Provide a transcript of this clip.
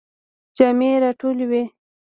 جامی را ټولوئ؟